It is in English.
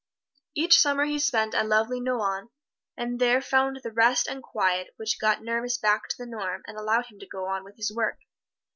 Each Summer he spent at lovely Nohant, and there found the rest and quiet which got nerves back to the norm and allowed him to go on with his work.